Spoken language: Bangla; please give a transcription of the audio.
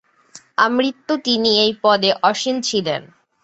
আমৃত্যু তিনি এই পদে আসীন ছিলেন।